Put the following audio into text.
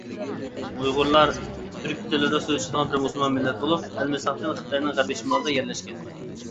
ئۇيغۇرلار تۈرك تىلىدا سۆزلىشىدىغان بىر مۇسۇلمان مىللەت بولۇپ، ئەلمىساقتىن خىتاينىڭ غەربىي شىمالىدا يەرلەشكەن.